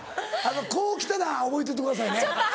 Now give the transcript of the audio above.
こう来たら覚えておいてくださいね。